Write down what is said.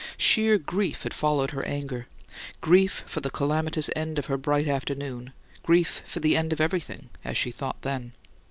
Sheer grief had followed her anger; grief for the calamitous end of her bright afternoon, grief for the "end of everything," as she thought then.